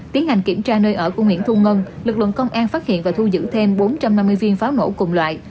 tiến hành kiểm tra nơi ở của nguyễn thu ngân lực lượng công an phát hiện và thu giữ thêm bốn trăm năm mươi viên pháo nổ cùng loại